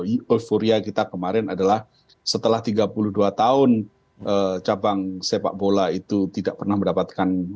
euforia kita kemarin adalah setelah tiga puluh dua tahun cabang sepak bola itu tidak pernah mendapatkan